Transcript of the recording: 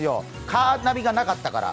カーナビがなかったから。